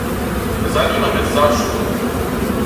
Не занима ме зашто!